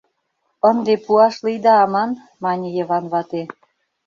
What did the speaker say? — Ынде пуаш лийда аман, — мане Йыван вате.